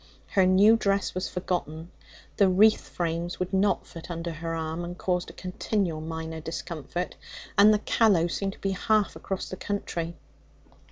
Her new dress was forgotten; the wreath frames would not fit under her arm, and caused a continual minor discomfort, and the Callow seemed to be half across the country.